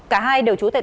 đều đều trú tệ tỉnh